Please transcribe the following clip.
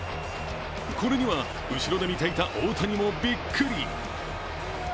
これには後ろで見ていた大谷もびっくり。